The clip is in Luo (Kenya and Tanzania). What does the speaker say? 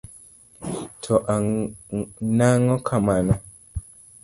To nang'o kamano?